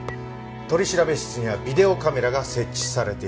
取調室にはビデオカメラが設置されていると。